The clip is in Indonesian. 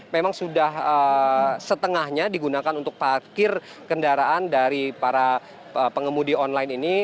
memang sudah setengahnya digunakan untuk parkir kendaraan dari para pengemudi online ini